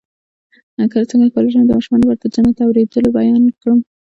څنګه کولی شم د ماشومانو لپاره د جنت د اوریدلو بیان کړم